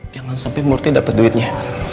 jangan sampe murti dapet duitnya